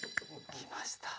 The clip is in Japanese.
きました。